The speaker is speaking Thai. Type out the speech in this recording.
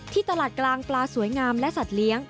ตลาดกลางปลาสวยงามและสัตว์เลี้ยง